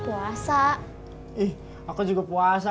oh keren gak puasa